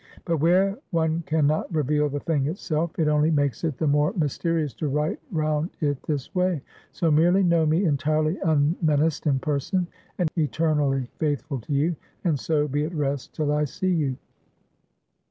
But where one can not reveal the thing itself, it only makes it the more mysterious to write round it this way. So merely know me entirely unmenaced in person, and eternally faithful to you; and so be at rest till I see you."